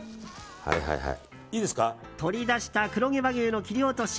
取り出した黒毛和牛の切り落とし。